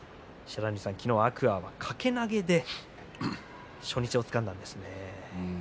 天空海は掛け投げで初日をつかんだんですね。